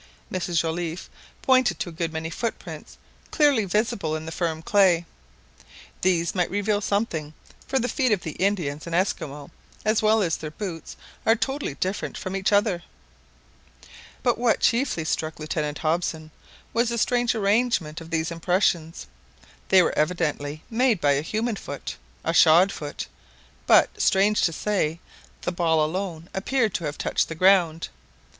And Mrs Joliffe pointed to a good many footprints clearly visible in the firm clay. These might reveal something; for the feet of the Indians and Esquimaux, as well as their boots, are totally different from each other. But what chiefly struck Lieutenant Hobson was the strange arrangement of these impressions. They were evidently made by a human foot, a shod foot; but, strange to say, the ball alone appeared to have touched the ground!